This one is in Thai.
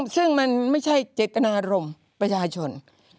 ซึ่งมันไม่ใช่เจตนารมณ์ประชาชน